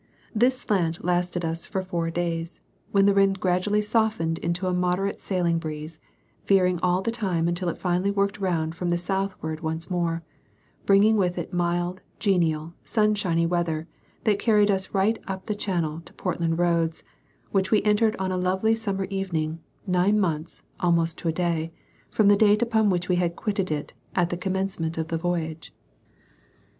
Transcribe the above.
This slant lasted us for four days, when the wind gradually softened into a moderate sailing breeze, veering all the time until it finally worked round from the southward once more, bringing with it mild, genial, sunshiny weather, that carried us right up the Channel to Portland Roads, which we entered on a lovely summer evening, nine months, almost to a day, from the date upon which we had quitted it, at the commencement of the voyage.